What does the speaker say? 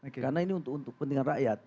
karena ini untuk kepentingan rakyat